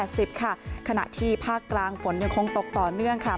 ขณะที่ภาคกลางฝนยังคงตกต่อเนื่องค่ะ